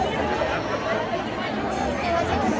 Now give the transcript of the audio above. สวัสดีครับ